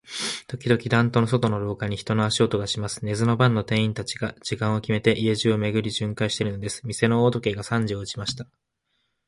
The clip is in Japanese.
ときどき、板戸の外の廊下に、人の足音がします。寝ずの番の店員たちが、時間をきめて、家中を巡回じゅんかいしているのです。店の大時計が三時を打ちました。